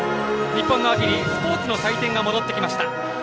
日本の秋にスポーツの祭典が戻ってきました。